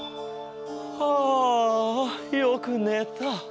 はあよくねた。